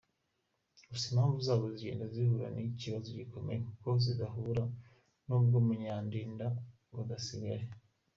Gusa imvugo zabo zigenda zihura n’ikibazo gikomeye kuko zidahura, n’ubwa Munyandinda budasigaye.